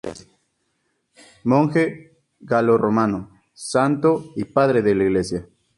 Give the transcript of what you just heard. Monje galorromano, santo y Padre de la Iglesia.